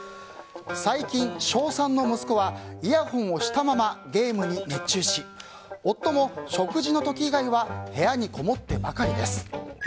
最近、小３の息子はイヤホンをしたままゲームに熱中し夫も食事の時以外は部屋にこもってばかりです。